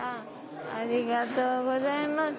ありがとうございます。